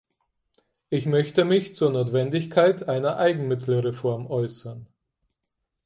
Ich möchte mich zur Notwendigkeit einer Eigenmittelreform äußern.